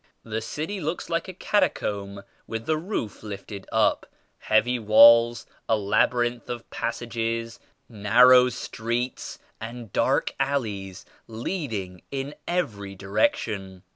The city looks like a catacombs with the roof lifted up ; heavy walls, a labyrinth of passages, narrow streets and dark alleys leading in every direction.